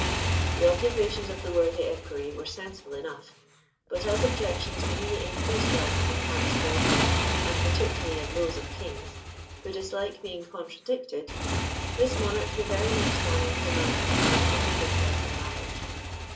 The observations of the worthy Equerry were sensible enough, but as objections only increase love in the hearts of all men, and particularly in those of kings, who dislike being contradicted, this monarch the very next morning demanded the hand of the Princess in marriage.